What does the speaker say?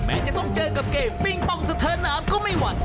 จะต้องเจอกับเกมปิ้งปองสะเทินน้ำก็ไม่หวั่น